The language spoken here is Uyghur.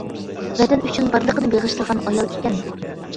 ۋەتەن ئۈچۈن بارلىقىنى بېغىشلىغان ئايال ئىكەن بۇ!